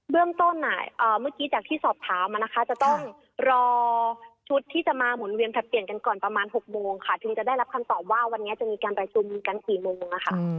เรื่องต้นเมื่อกี้จากที่สอบถามนะคะจะต้องรอชุดที่จะมาหมุนเวียนผลัดเปลี่ยนกันก่อนประมาณ๖โมงค่ะถึงจะได้รับคำตอบว่าวันนี้จะมีการประชุมกันกี่โมงนะคะ